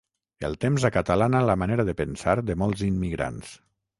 El temps acatalana la manera de pensar de molts immigrants.